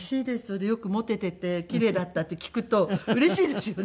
それでよくモテていて奇麗だったって聞くとうれしいですよね。